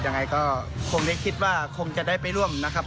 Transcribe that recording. ยังไงก็คงได้คิดว่าคงจะได้ไปร่วมนะครับ